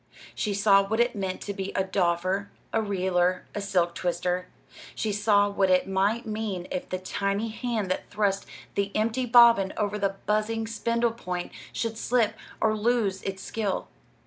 She saw what it meant to be a "doffer," a "reeler," a "silk twister." She saw what it might mean if the tiny hand that thrust the empty bobbin over the buzzing spindle point should slip or lose its skill.